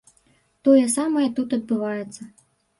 Тое самае тут адбываецца.